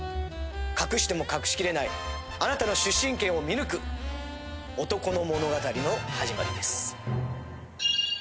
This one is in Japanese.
隠しても隠し切れないあなたの出身県を見抜く男の物語の始まりです。